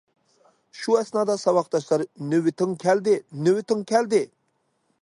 شۇ ئەسنادا ساۋاقداشلار:- نۆۋىتىڭ كەلدى، نۆۋىتىڭ كەلدى!